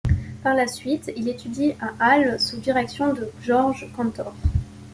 Par la suite il étudie à Halle sous la direction de Georg Cantor.